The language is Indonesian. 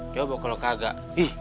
coba kalau kagak